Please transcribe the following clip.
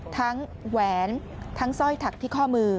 แหวนทั้งสร้อยถักที่ข้อมือ